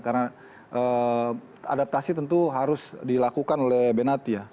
karena adaptasi tentu harus dilakukan oleh benazia